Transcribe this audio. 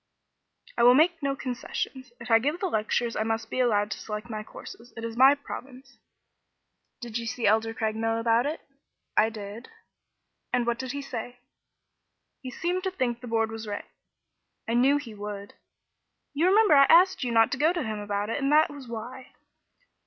"I will make no concessions. If I give the lectures, I must be allowed to select my courses. It is my province." "Did you see Elder Craigmile about it?" "I did." "And what did he say?" "He seemed to think the Board was right." "I knew he would. You remember I asked you not to go to him about it, and that was why."